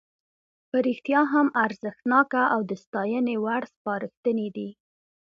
په رښتیا هم ارزښتناکه او د ستاینې وړ سپارښتنې دي.